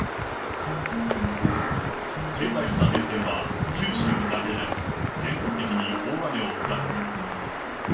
停滞した前線は、九州だけでなく、全国的に大雨を降らせた。